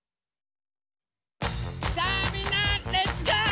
さあみんなレッツゴー！